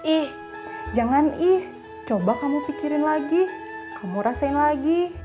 ih jangan ih coba kamu pikirin lagi kamu rasain lagi